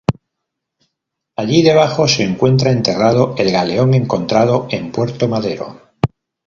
Allí debajo se encuentra enterrado el galeón encontrado en Puerto Madero.